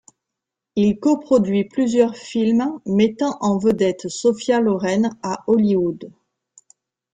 Il coproduit plusieurs films mettant en vedette Sophia Loren à Hollywood.